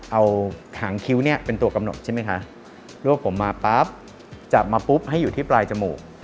เอาหางคิ้วเนี่ยเป็นตัวกำหนดใช่ไหมคะลวกผมมาปั๊บจับมาปุ๊บให้อยู่ที่ปลายจมูก